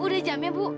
udah jam ya bu